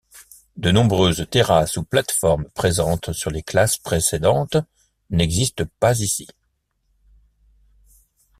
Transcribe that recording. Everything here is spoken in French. De nombreuses terrasses ou plates-formes présentes sur les classes précédentes n'existent pas ici.